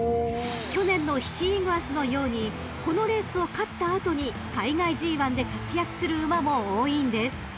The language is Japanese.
［去年のヒシイグアスのようにこのレースを勝った後に海外ＧⅠで活躍する馬も多いんです］